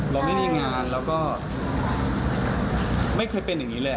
เราไม่มีงานเราก็ไม่เคยเป็นอย่างนี้เลย